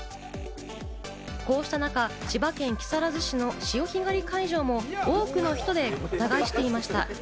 こうした中、千葉県木更津市の潮干狩り会場も多くの人でごったがえしていました。